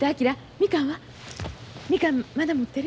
みかんまだ持ってる？